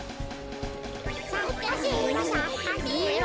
さかせろさかせろ。